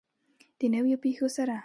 د نویو پیښو سره.